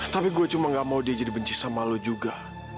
tapi gue cuma gak mau dia jadi benci sama lo juga